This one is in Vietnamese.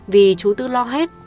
vì chú tư lo hết